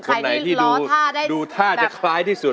ใครที่ร้อนท่าได้ดูท่าจะคล้ายที่สุด